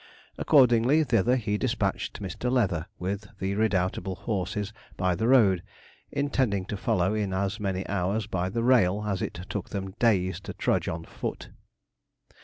Accordingly, thither he despatched Mr. Leather with the redoubtable horses by the road, intending to follow in as many hours by the rail as it took them days to trudge on foot.